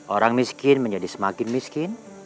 orang miskin menjadi semakin miskin